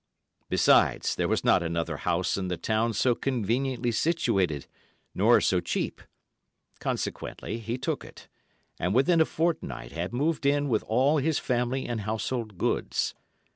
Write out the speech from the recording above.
Besides, there was not another house in the town so conveniently situated, nor so cheap. Consequently, he took it, and within a fortnight had moved in with all his family and household goods.